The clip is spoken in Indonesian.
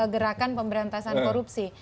gerakan pemberantasan korupsi